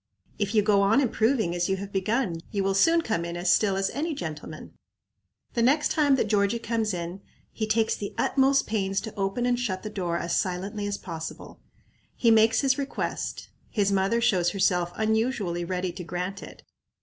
If you go on improving as you have begun, you will soon come in as still as any gentleman." The next time that Georgie comes in, he takes the utmost pains to open and shut the door as silently as possible. He makes his request. His mother shows herself unusually ready to grant it.